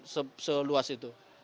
dan seluas itu